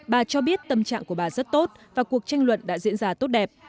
bà cho biết tâm trạng của bà rất tốt và cuộc tranh luận đã diễn ra tốt đẹp